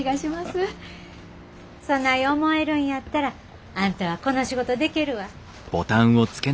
そない思えるんやったらあんたはこの仕事でけるわ。